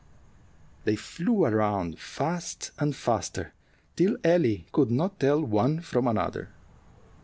They flew around fast and faster, till Ellie could not tell one from another.